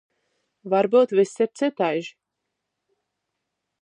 Varbyut vyss i cytaiži.